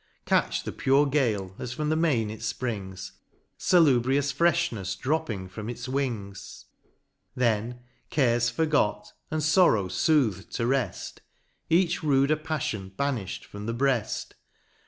Catch the pure gale as from the main it Tprings, Salubrious frcfhnefs dropping from its wings ;— Then, cares forgot, and forrow footh'd to reft, Each ruder paffion banifh'd from the breaft.